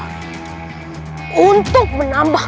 arian aku tak ada pengawasan